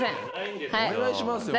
お願いしますよ。